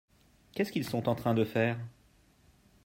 Qu'est-ce qu'ils sont en train de faire ?